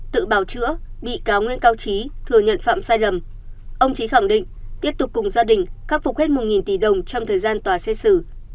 tự bào chữa bị cáo nguyễn cao trí thừa nhận phạm sai lầm ông trí khẳng định tiếp tục cùng gia đình khắc phục hết một tỷ đồng trong thời gian tòa xét xử